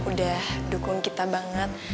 udah dukung kita banget